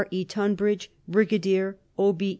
E. TUNBRIDGE Brigadier, O.B.